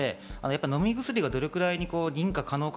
飲み薬がどれぐらい認可可能か。